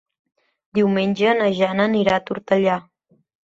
Diumenge na Jana anirà a Tortellà.